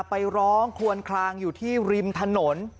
ไปร้องควนคลางอยู่ที่ริมถนน